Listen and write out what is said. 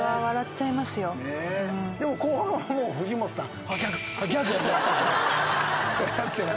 後半はもう藤本さん。